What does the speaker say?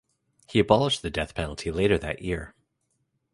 He abolished the death penalty later that year.